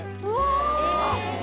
うわ！